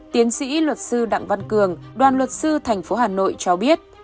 tiến sĩ luật sư đặng văn cường đoàn luật sư tp hà nội cho biết